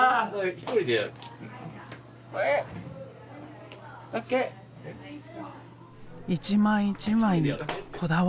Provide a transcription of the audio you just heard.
一枚一枚にこだわりがある。